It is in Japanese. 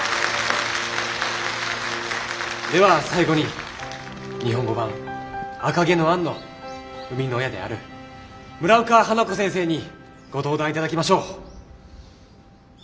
では最後に日本語版「赤毛のアン」の生みの親である村岡花子先生にご登壇頂きましょう。